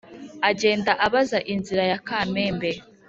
agenda abaza inzira ya kamembe*.